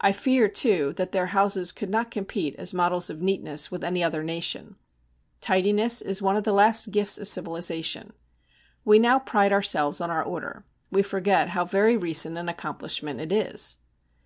I fear, too, that their houses could not compete as models of neatness with any other nation. Tidiness is one of the last gifts of civilization. We now pride ourselves on our order; we forget how very recent an accomplishment it is.